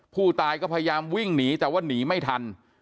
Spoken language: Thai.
ผู้ตายก็พยายามวิ่งหนีแต่ว่าหนีไม่ทัน